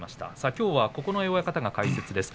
きょうは九重親方が解説です。